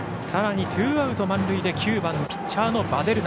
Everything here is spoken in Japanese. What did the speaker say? ツーアウト、満塁で９番ピッチャーのヴァデルナ。